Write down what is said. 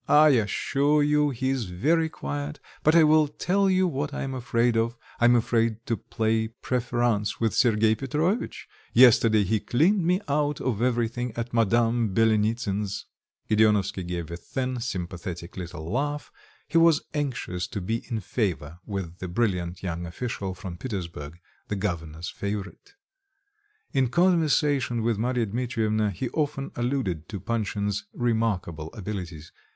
"I assure you he's very quiet, but I will tell you what I am afraid of: I'm afraid to play preference with Sergei Petrovitch; yesterday he cleaned me out of everything at Madame Byelenitsin's." Gedeonovsky gave a thin, sympathetic little laugh; he was anxious to be in favour with the brilliant young official from Petersburg the governor's favourite. In conversation with Marya Dmitrievna, he often alluded to Panshin's remarkable abilities.